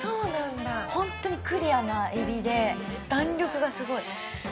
本当にクリアなえびで、弾力がすごい。